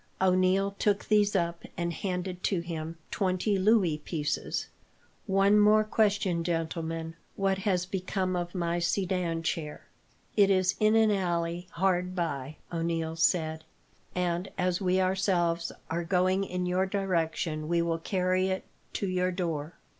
O'Neil took these up, and handed to him twenty louis pieces. "One more question, gentlemen. What has become of my sedan chair?" "It is in an alley, hard by," O'Neil said, "and as we are ourselves going in your direction we will carry it to your door."